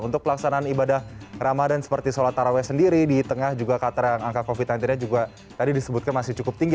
untuk pelaksanaan ibadah ramadhan seperti sholat taraweh sendiri di tengah juga kata yang angka covid sembilan belas nya juga tadi disebutkan masih cukup tinggi